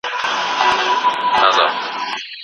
ما زده کړل چې پیسې څنګه په کار واچوم.